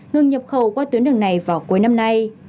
ngừng nhập khẩu qua tuyến đường này vào cuối năm nay